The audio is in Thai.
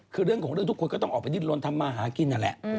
คือเรื่องของเรื่องทุกคนก็ต้องออกไปดิ้นลนทำมาหากินนั่นแหละ